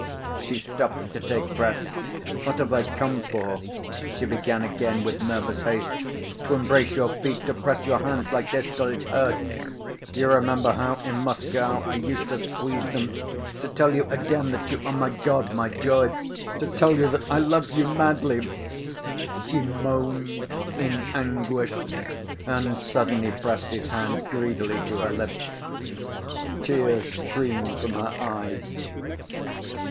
She stopped to take breath. "What have I come for?" she began again with nervous haste: "to embrace your feet, to press your hands like this, till it hurts—you remember how in Moscow I used to squeeze them—to tell you again that you are my god, my joy, to tell you that I love you madly," she moaned in anguish, and suddenly pressed his hand greedily to her lips. Tears streamed from her eyes.